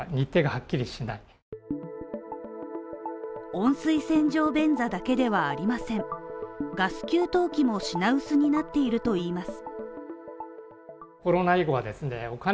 温水洗浄便座だけではありませんガス給湯器も品薄になっているといいます